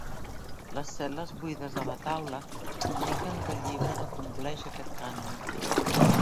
Les cel·les buides de la taula indiquen que el llibre no compleix aquest cànon.